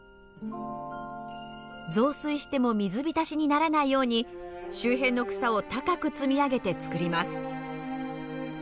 増水しても水浸しにならないように周辺の草を高く積み上げて作ります。